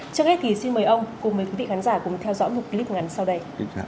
trước hết thì xin mời ông cùng quý vị khán giả cùng theo dõi một clip ngắn sau đây